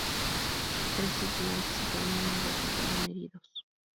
Tres tripulantes ucranianos resultaron heridos.